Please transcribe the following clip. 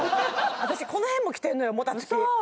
私この辺もきてんのよもたつきウソ？